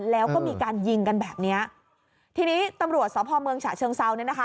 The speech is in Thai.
แล้วก็มีการยิงกันแบบเนี้ยทีนี้ตำรวจสพเมืองฉะเชิงเซาเนี่ยนะคะ